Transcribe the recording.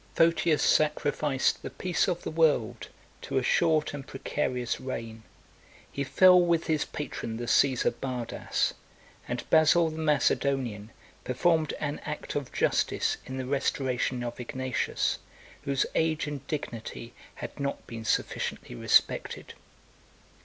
Photius sacrificed the peace of the world to a short and precarious reign: he fell with his patron, the Cæsar Bardas; and Basil the Macedonian performed an act of justice in the restoration of Ignatius, whose age and dignity had not been sufficiently respected.